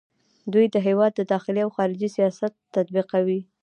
دوی د هیواد داخلي او خارجي سیاست تطبیقوي.